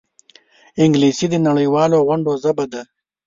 انګلیسي د نړيوالو غونډو ژبه ده